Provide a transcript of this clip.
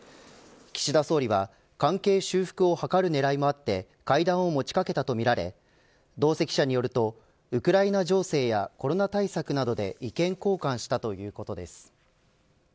岸田総理は関係修復を図る狙いもあって会談を持ちかけたとみられ同席者によるとウクライナ情勢やコロナ対策などで意見交換したということです。